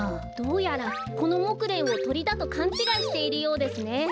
どうやらこのモクレンをとりだとかんちがいしているようですね。